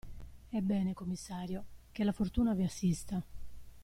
Ebbene, commissario, che la fortuna vi assista!